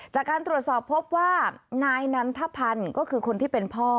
จากการตรวจสอบพบว่านายนันทพันธ์ก็คือคนที่เป็นพ่อ